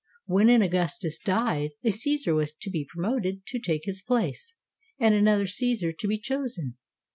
When an Augustus died, a Caesar was to be promoted to take his place and another Caesar to be chosen.